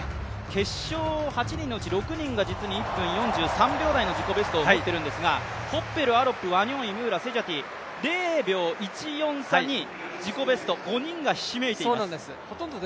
決勝８人のうち６人が実に１分４３秒台の自己ペストを持っているんですが、ホッペル、ワニョンイ、ムーラ、セジャティ、自己ベスト５人がひしめいています